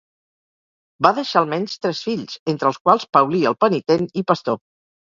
Va deixar almenys tres fills, entre els quals Paulí el Penitent i Pastor.